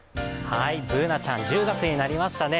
Ｂｏｏｎａちゃん、１０月になりましたね。